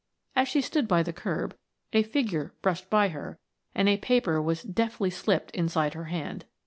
As she stood by the curb, a figure brushed by her and a paper was deftly slipped inside her hand.